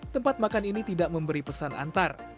tempat makan ini tidak memberi pesan antar